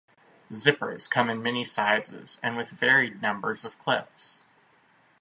Zippers come in many sizes and with varied numbers of clips.